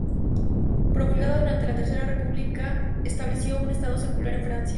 Promulgada durante la Tercera República, estableció un estado secular en Francia.